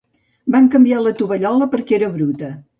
Van canviar la tovallola perquè era bruta.